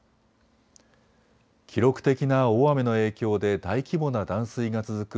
記録的な大雨の影響で大規模な断水が続く